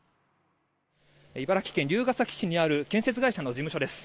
茨城県龍ケ崎市にある建設会社の事務所です。